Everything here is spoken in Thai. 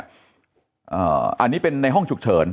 อันนี้เป็นในห้องฉุกเฉิน